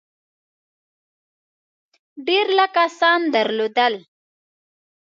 ډېر لږ کسان درلودل.